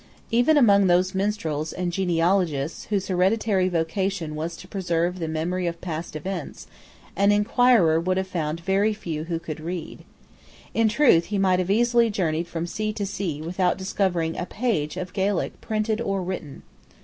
Even among those minstrels and genealogists whose hereditary vocation was to preserve the memory of past events, an enquirer would have found very few who could read. In truth, he might easily have journeyed from sea to sea without discovering a page of Gaelic printed or written.